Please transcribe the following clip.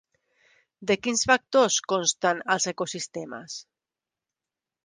De quins factors consten els ecosistemes?